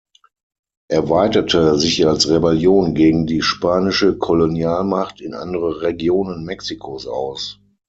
Er weitete sich als Rebellion gegen die spanische Kolonialmacht in andere Regionen Mexikos aus.